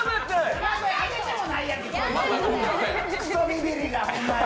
くそビビリが、ホンマに。